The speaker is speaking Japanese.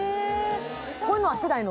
こういうのはしてないの？